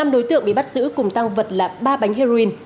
năm đối tượng bị bắt giữ cùng tăng vật là ba bánh heroin